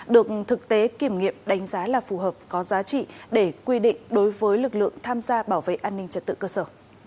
được thực tế kiểm nghiệm đánh giá là phù hợp có giá trị để quy định đối với lực lượng tham gia bảo vệ an ninh trật tự cơ sở